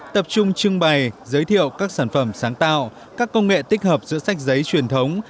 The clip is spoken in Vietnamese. tập trung trưng bày giới thiệu các sản phẩm sáng tạo các công nghệ tích hợp giữa sách giấy truyền thống